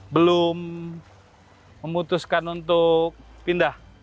belum memutuskan untuk pindah